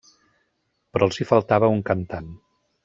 Però els hi faltava un cantant.